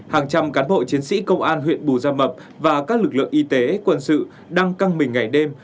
hàng trăm cán bộ chiến sĩ công an huyện bù gia mập và các lực lượng y tế quân sự đang căng mình ngày đêm